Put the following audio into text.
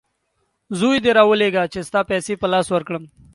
زوی دي راولېږه چې ستا پیسې په لاس ورکړم!